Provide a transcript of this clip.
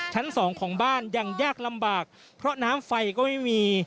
ชั้นสองของบ้านยังยากลำบากเพราะน้ำไฟก็ไม่มี